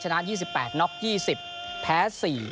๒๘น็อก๒๐แพ้๔